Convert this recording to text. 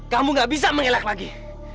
kamu gak bisa mengelak lagi